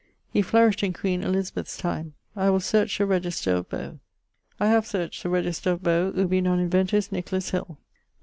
He flourished in queen Elizabeth's time. I will search the register of Bowe. I have searched the register of Bow, ubi non inventus Nicolas Hill.